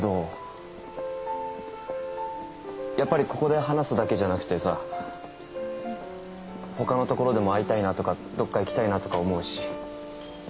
やっぱりここで話すだけじゃなくてさ他のところでも会いたいなとかどっか行きたいなとか思うし。